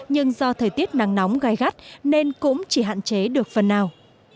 nhưng do thời tiết nắng nóng gai gắt nên cũng chỉ hạn chế được phần nào